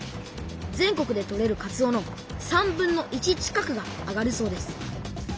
全国で取れるかつおの３分の１近くがあがるそうです。